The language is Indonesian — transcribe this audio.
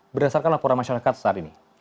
berdasarkan laporan masyarakat saat ini